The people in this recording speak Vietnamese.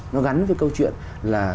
nó gắn với câu chuyện là